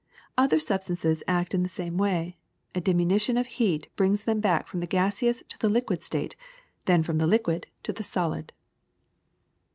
Other substances act in the same way: a diminution of heat brings them back from the gaseous to the liquid state, then from the liquid to the solid.